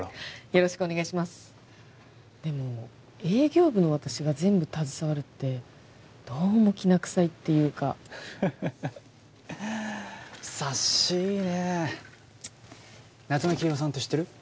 よろしくお願いしますでも営業部の私が全部携わるってどうもきな臭いっていうか察しいいね夏目きいろさんって知ってる？